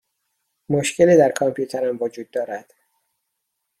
مشکلی در کامپیوترم وجود دارد.